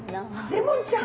レモンちゃん。